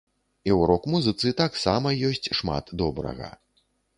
І ў рок-музыцы таксама ёсць шмат добрага.